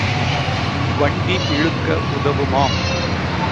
வண்டி இழுக்க உதவுமாம்.